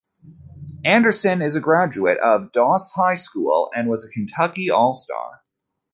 Anderson is a graduate of Doss High School and was a Kentucky All-Star.